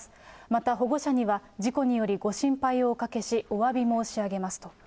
また保護者には、事故によりご心配をおかけし、おわび申し上げますと。